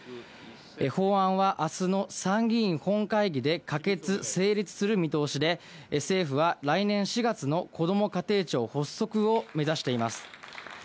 法案は明日の参議院本会議で可決・成立する見通しで、政府は来年４月のこども家庭庁発足を目指しています。